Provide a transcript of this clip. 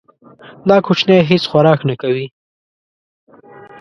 دا کوچنی هیڅ خوراک نه کوي.